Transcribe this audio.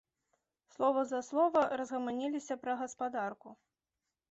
Слова за слова, разгаманіліся пра гаспадарку.